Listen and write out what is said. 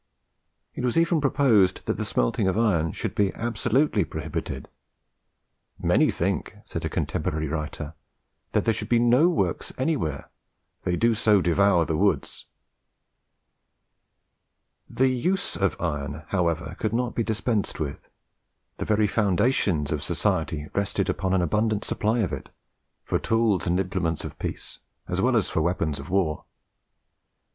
It was even proposed that the smelting of iron should be absolutely prohibited: "many think," said a contemporary writer, "that there should be NO WORKS ANYWHERE they do so devour the woods." The use of iron, however, could not be dispensed with. The very foundations of society rested upon an abundant supply of it, for tools and implements of peace, as well as for weapons of war.